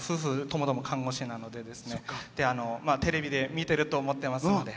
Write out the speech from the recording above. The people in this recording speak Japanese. ともども看護師なのでテレビで見てると思ってますので。